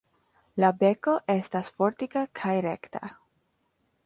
La beko estas fortika kaj rekta.